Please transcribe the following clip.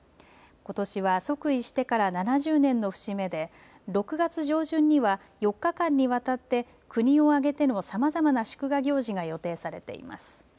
ことしは即位してから７０年の節目で６月上旬には４日間にわたって国を挙げてのさまざまな祝賀行事が予定されています。